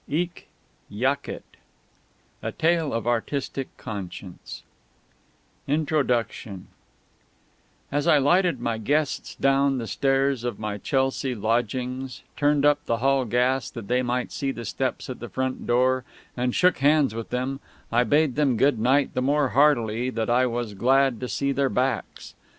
HIC JACET A TALE OF ARTISTIC CONSCIENCE INTRODUCTION As I lighted my guests down the stairs of my Chelsea lodgings, turned up the hall gas that they might see the steps at the front door, and shook hands with them, I bade them good night the more heartily that I was glad to see their backs.